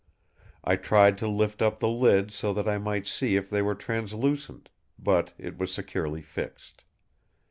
I tried to lift up the lid so that I might see if they were translucent; but it was securely fixed.